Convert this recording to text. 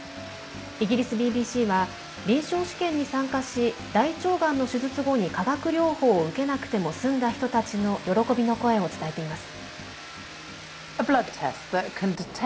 イギリスＢＢＣは臨床試験に参加し大腸がんの手術後に化学療法を受けなくても済んだ人たちの喜びの声を伝えています。